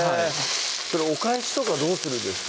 それお返しとかはどうするんですか？